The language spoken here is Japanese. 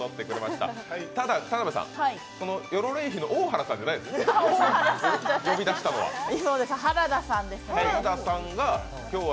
ただ田辺さん、このヨロレイヒの大原さんじゃないですよね呼び出したのは。